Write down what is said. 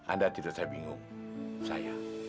anda tidur segini